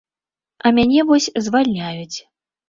А мяне вось звальняюць.